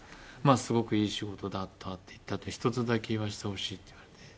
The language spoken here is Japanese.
「すごくいい仕事だった」って言って「あと１つだけ言わせてほしい」って言われて。